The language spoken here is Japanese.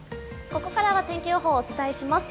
ここからは天気予報をお伝えします。